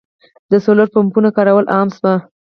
د سولر پمپونو کارول عام شوي.